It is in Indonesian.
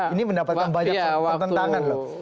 ini mendapatkan banyak pertentangan loh